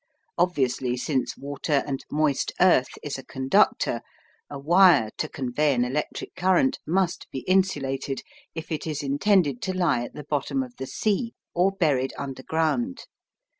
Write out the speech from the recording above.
Obviously, since water and moist earth is a conductor, a wire to convey an electric current must be insulated if it is intended to lie at the bottom of the sea or buried underground.